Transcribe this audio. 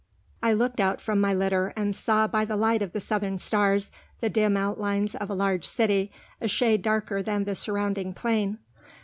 I looked out from my litter, and saw by the light of the southern stars the dim outlines of a large city, a shade darker than the surrounding plain.